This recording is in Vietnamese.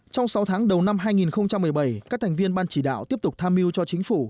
trong sáu tháng đầu năm hai nghìn một mươi bảy các thành viên ban chỉ đạo tiếp tục tham mưu cho chính phủ